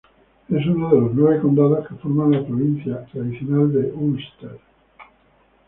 Es uno de los nueve condados que forman la provincia tradicional de Ulster.